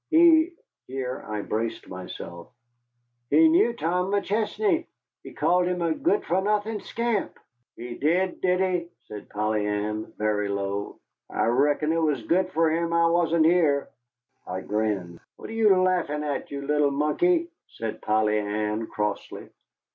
He " here I braced myself, "he knew Tom McChesney. He called him a good for nothing scamp." "He did did he!" said Polly Ann, very low. "I reckon it was good for him I wasn't here." I grinned. "What are you laughing at, you little monkey," said Polly Ann, crossly.